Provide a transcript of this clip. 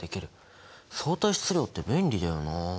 相対質量って便利だよなあ。